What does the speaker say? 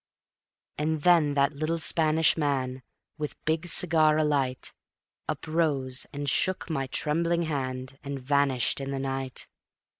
And then that little Spanish man, with big cigar alight, Uprose and shook my trembling hand and vanished in the night.